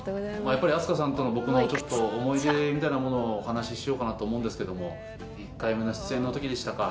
やっぱり飛鳥さんとの僕の思い出みたいなものをお話ししようかなと思うんですけども１回目の出演の時でしたか。